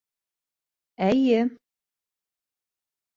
Эй-йе...